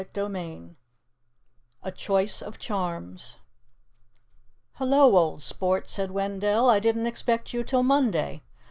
CHAPTER XV A CHOICE OF CHARMS "Hello, old sport!" said Wendell; "I didn't expect you till Monday."